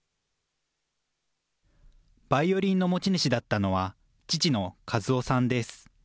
バイオリンの持ち主だったのは父の一雄さんです。